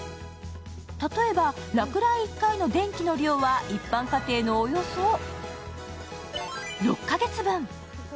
例えば落雷１回の電気の量は一般家庭のおよそ６カ月分。